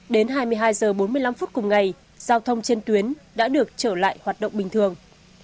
đến hai mươi hai h bốn mươi năm phút cùng ngày giao thông trên tuyến đã được trở lại hoạt động bình thường